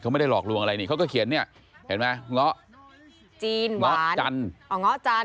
เขาไม่ได้หลอกลวงอะไรเขาก็เขียนเนี่ยเห็นไหมง๊อจันย์วาน